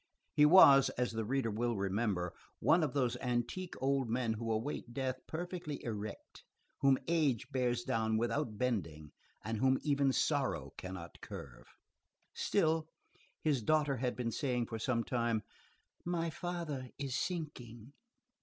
He was, as the reader will remember, one of those antique old men who await death perfectly erect, whom age bears down without bending, and whom even sorrow cannot curve. Still, his daughter had been saying for some time: "My father is sinking."